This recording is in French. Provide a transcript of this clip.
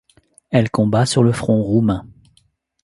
Elle combat sur le front roumain.